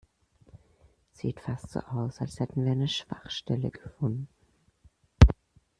Sieht fast so aus, als hätten wir eine Schwachstelle gefunden.